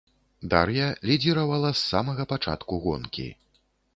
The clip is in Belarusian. Дар'я лідзіравала с самага пачатку гонкі.